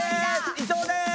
伊藤です」。